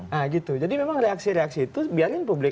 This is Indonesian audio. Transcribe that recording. nah gitu jadi memang reaksi reaksi itu biarin publik